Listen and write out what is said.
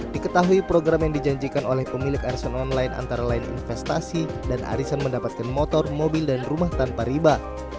diketahui program yang dijanjikan oleh pemilik arsen online antara lain investasi dan arisan mendapatkan motor mobil dan rumah tanpa riba